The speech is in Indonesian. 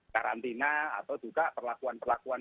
karantina atau juga perlakuan perlakuan